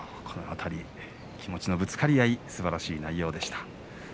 この辺り気持ちのぶつかり合いすばらしい内容でした。